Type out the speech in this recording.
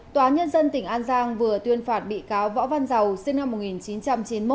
tòa nhân dân tỉnh an giang vừa tuyên phạt bị cáo võ văn giàu sinh năm một nghìn chín trăm chín mươi một